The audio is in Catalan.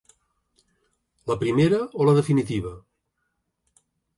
La primera o la definitiva?